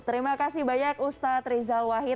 terima kasih banyak ustadz rizal wahid